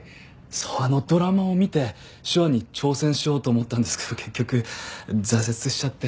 あのドラマを見て手話に挑戦しようと思ったんですけど結局挫折しちゃって。